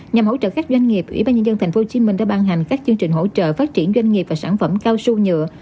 nhằm hỗ trợ các doanh nghiệp ủy ban nhân dân tp hcm đã ban hành các chương trình hỗ trợ phát triển doanh nghiệp và sản phẩm cao su nhựa